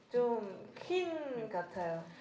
ฮะคุณขาหึล